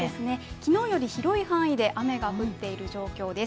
昨日より広い範囲で雨が降っている状況です。